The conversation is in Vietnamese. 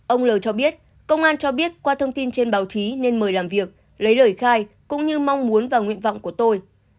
ông l cho biết công an cho biết qua thông tin trên báo chí nên mời làm việc lấy lời khai cũng như mong muốn và nguyện vọng của tôi